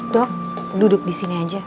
dok duduk disini aja